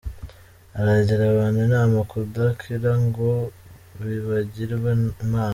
Aragira abantu inama kudakira ngo bibagirwe Imana.